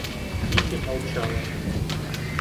Кити молчала.